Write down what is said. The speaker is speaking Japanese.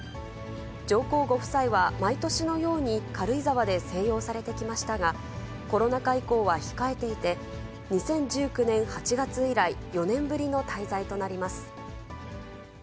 上皇ご夫妻は毎年のように、軽井沢で静養されてきましたが、コロナ禍以降は控えていて、２０１９年８月以来、４年ぶりの滞在となります。